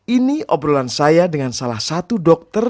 ini obrolan saya dengan salah satu dokter